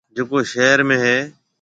جڪو شهر ۾ هيَ۔